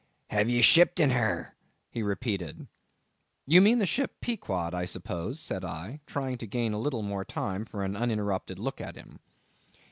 "Have ye shipped in her?" he repeated. "You mean the ship Pequod, I suppose," said I, trying to gain a little more time for an uninterrupted look at him.